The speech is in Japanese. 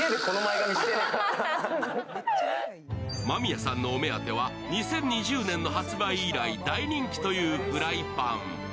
間宮さんのお目当ては２０２０年の発売以来大人気というフライパン。